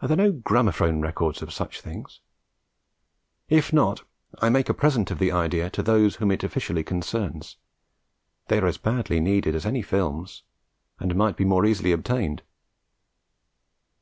Are there no gramophone records of such things? If not, I make a present of the idea to those whom it officially concerns. They are as badly needed as any films, and might be more easily obtained.